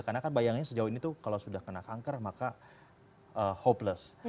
karena kan bayangin sejauh ini tuh kalau sudah kena kanker maka hopeless